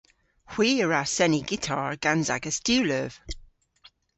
Hwi a wra seni gitar gans agas diwleuv.